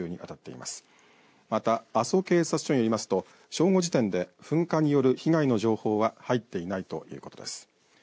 また阿蘇警察署によりますと正午時点で噴火による被害の情報は入っていないということです。